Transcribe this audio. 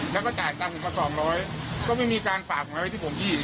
แล้วก็จ่ายตังค์ผมมาสองร้อยก็ไม่มีการฝากไว้ที่ผมพี่